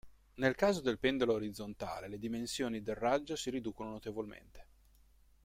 Nel caso del pendolo orizzontale le dimensioni del raggio si riducono notevolmente.